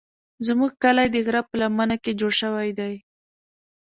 زموږ کلی د غره په لمنه کې جوړ شوی دی.